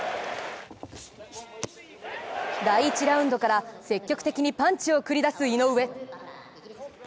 第１ラウンドから積極的にパンチを繰り出す井上。